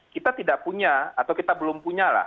kita tidak punya atau kita belum punya lah